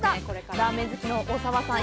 ラーメン好きの大沢さん。